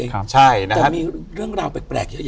แต่มีเรื่องราวแปลก